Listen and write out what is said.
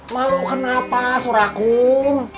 malu kenapa surakum